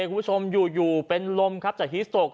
คุณผู้ชมอยู่เป็นลมครับจากฮิสโตก